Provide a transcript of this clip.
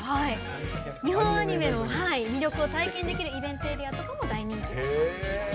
日本アニメの魅力を体験できるイベントエリアとかも大人気です。